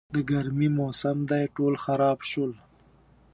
د ګرمي موسم دی، ټول خراب شول.